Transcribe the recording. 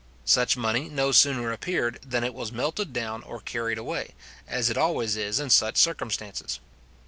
Such money no sooner appeared, than it was melted down or carried away, as it always is in such circumstances.